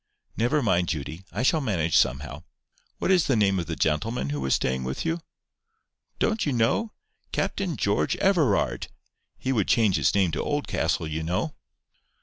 "Never mind, Judy. I shall manage somehow.—What is the name of the gentleman who was staying with you?" "Don't you know? Captain George Everard. He would change his name to Oldcastle, you know."